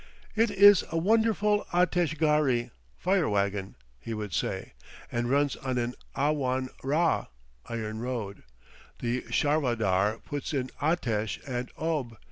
"It is a wonderful atesh gharri" (fire wagon), he would say, "and runs on an awhan rah (iron road); the charvadar puts in atesh and ob.